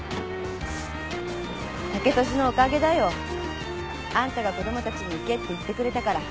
剛利のおかげだよ。あんたが子供たちに行けって言ってくれたから。